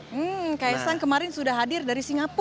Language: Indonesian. hmm kaya sang kemarin sudah hadir dari singapura